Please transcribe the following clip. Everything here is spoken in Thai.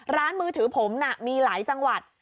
มือถือผมน่ะมีหลายจังหวัด